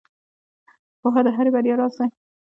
• پوهه د هرې بریا راز دی.